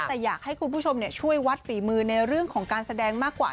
แต่อยากให้คุณผู้ชมช่วยวัดฝีมือในเรื่องของการแสดงมากกว่า